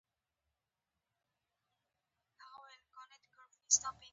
د ننګرهار په کوټ کې د سمنټو مواد شته.